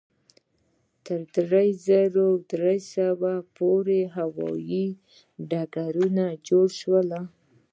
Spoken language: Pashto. تر درې زره درې سوه پورې هوایي ډګرونه جوړ شول.